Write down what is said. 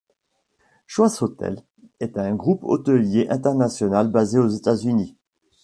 Choice Hotels est un groupe hôtelier international basé aux États-Unis.